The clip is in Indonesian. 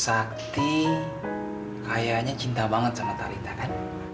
sakti kayaknya cinta banget sama talita kan